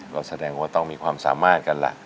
ก็แสดงว่าต้องมีความสามารถกันล่ะ